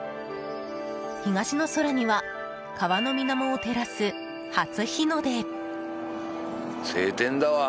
東の空には川の水面を照らす、初日の出。